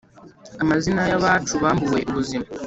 Amazina y'abacu bambuwe ubuzima